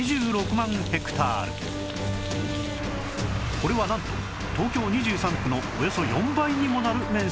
これはなんと東京２３区のおよそ４倍にもなる面積なんです